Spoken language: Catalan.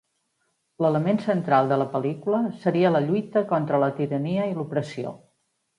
L'element central de la pel·lícula seria la lluita contra la tirania i l'opressió.